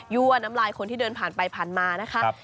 ั่วน้ำลายคนที่เดินผ่านไปผ่านมานะคะ